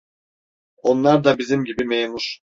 Onlar da bizim gibi memur.